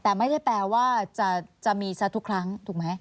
แต่ไม่ได้แปลว่าจะมีซะทุกครั้งถูกไหม